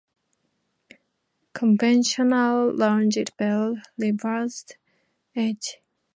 Conventional rounded bell, reversed edge.